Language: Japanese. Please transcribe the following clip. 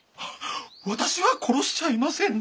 私は殺しちゃいません。